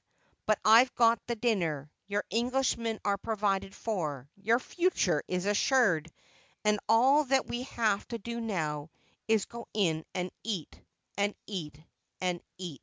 But I've got the dinner—your Englishmen are provided for—your future is assured, and all that we have to do now is to go in and eat—and eat—and eat."